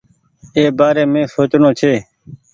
اي بآري سوچڻو ڇي۔